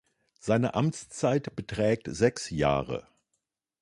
Seine Amtszeit beträgt sechs Jahre.